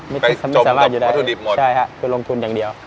ไม่สามารถอยู่ได้ใช่ครับคือลงทุนอย่างเดียว